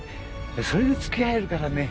それで付き合えるからね